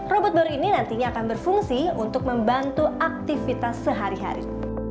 robot baru ini nantinya akan berfungsi untuk membantu aktivitas sehari hari